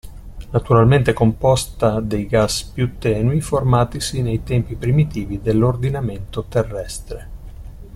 Naturalmente composta dei gas più tenui formatisi nei tempi primitivi dell'ordinamento terrestre.